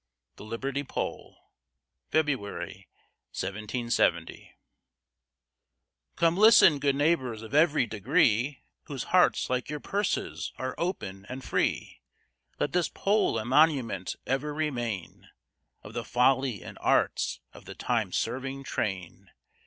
THE LIBERTY POLE [February, 1770] Come listen, good neighbors of every degree, Whose hearts, like your purses, are open and free, Let this pole a monument ever remain, Of the folly and arts of the time serving train.